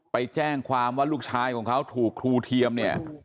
ไปแจ้งความว่าลูกชายของเขาถูกครูเทียมเนี่ย